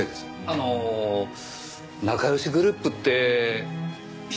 あの仲良しグループって７人組とか？